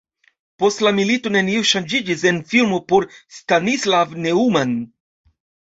Post la milito nenio ŝanĝiĝis en filmo por Stanislav Neumann.